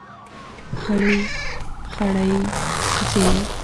خړې خړۍ کوڅې